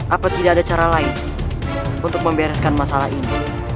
apa tidak ada cara lain untuk membereskan masalah ini